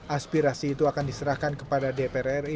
aspirasi itu akan diserahkan kepada dprri